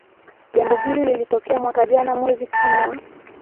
jambo hili lilitokea mwaka jana mwezi kama wa